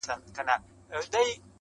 بيا دي ستني ډيري باندي ښخي کړې.